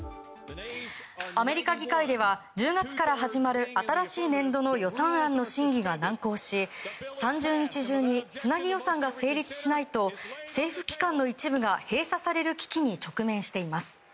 アメリカ議会では１０月から始まる新しい年度の予算案の審議が難航し３０日中につなぎ予算が成立しないと政府機関の一部が閉鎖される危機に直面しています。